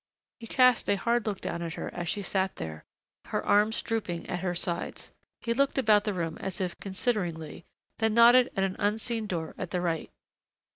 He cast a hard look down at her as she sat there, her arms drooping at her sides. He looked about the room as if consideringly, then nodded at an unseen door at the right.